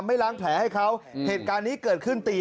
ไม่ล้างแผลให้เขาเหตุการณ์นี้เกิดขึ้นตี